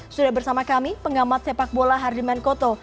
sudah bersama kami pengamat sepak bola hardiman koto